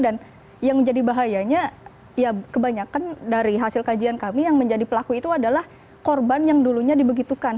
dan yang menjadi bahayanya kebanyakan dari hasil kajian kami yang menjadi pelaku itu adalah korban yang dulunya dibegitukan